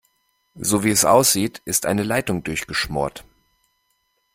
So wie es aussieht, ist eine Leitung durchgeschmort.